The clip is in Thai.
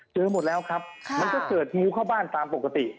หมดแล้วครับมันก็เกิดงูเข้าบ้านตามปกติ